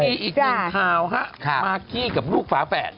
ก่อนไปมีอีก๑ภาวฮะมาร์กี้กับลูกฝาแฝด